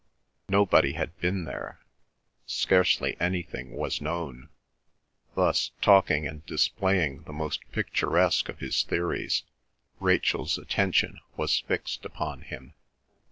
Nobody had been there; scarcely anything was known. Thus talking and displaying the most picturesque of his theories, Rachel's attention was fixed upon him.